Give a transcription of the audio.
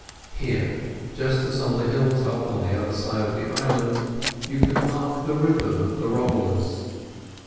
Here, just as on the hill top at the other side of the island, you could mark the rhythm of the rollers.